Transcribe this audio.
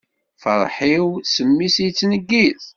Ferḥ-iw s mmi yettneggiz.